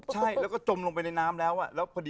ใช่แล้วก็จมลงไปในน้ำแล้ว